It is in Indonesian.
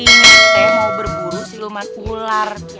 saya mau berburu siluman ular